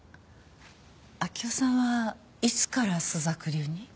明生さんはいつから朱雀流に？